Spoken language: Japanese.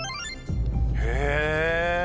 へぇ！